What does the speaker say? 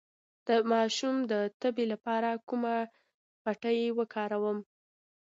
د ماشوم د تبې لپاره کومه پټۍ وکاروم؟